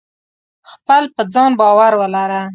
خپل په ځان باور ولره !